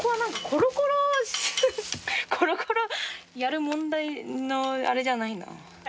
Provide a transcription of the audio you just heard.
コロコロやる問題のあれじゃないな。